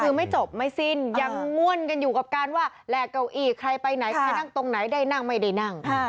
คือไม่จบไม่สิ้นยังม่วนกันอยู่กับการว่าแหลกเก้าอี้ใครไปไหนใครนั่งตรงไหนได้นั่งไม่ได้นั่ง